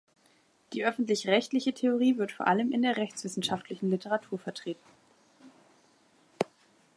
Die öffentlich-rechtliche Theorie wird vor allem in der rechtswissenschaftlichen Literatur vertreten.